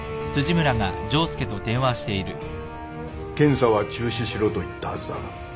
検査は中止しろと言ったはずだが。